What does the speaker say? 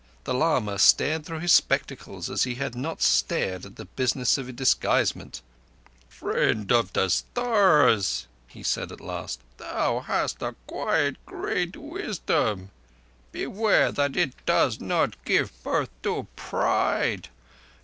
The lama stared through his spectacles as he had not stared at the business of disguisement. "Friend of the Stars," he said at last, "thou hast acquired great wisdom. Beware that it do not give birth to pride.